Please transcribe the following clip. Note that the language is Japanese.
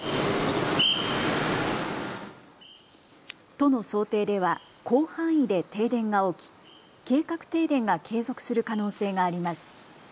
都の想定では広範囲で停電が起き計画停電が継続する可能性があります。